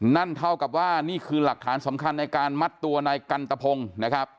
นั่นเท่ากับว่านี่คือหลักฐานสำคัญในการมัดตัวนายกันตะพงศ์นะครับ